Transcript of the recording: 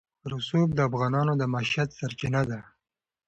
رسوب د افغانانو د معیشت سرچینه ده.